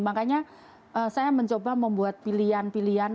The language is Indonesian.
makanya saya mencoba membuat pilihan pilihan